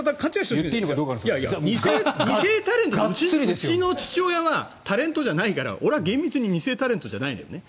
２世タレント、うちの父親はタレントじゃないから俺は厳密に２世タレントじゃないのよね。